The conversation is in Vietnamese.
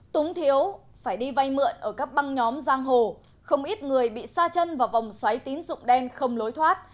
túng thiếu phải đi vay mượn ở các băng nhóm giang hồ không ít người bị xa chân vào vòng xoáy tín dụng đen không lối thoát